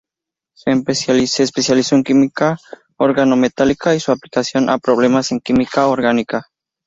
Se especializó en química organometálica y su aplicación a problemas en química orgánica.